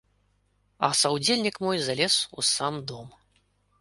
А саўдзельнік мой залез у сам дом.